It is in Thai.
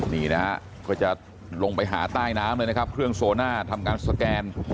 นี่นะฮะก็จะลงไปหาใต้น้ำเลยนะครับเครื่องโซน่าทำการสแกน